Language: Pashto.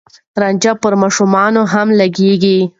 رانجه پر ماشومانو هم لګېږي.